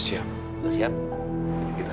maksudnya lobby disini